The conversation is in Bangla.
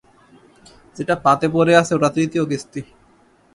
যেটা পাতে পড়ে আছে ওটা তৃতীয় কিস্তি।